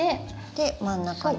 で真ん中に？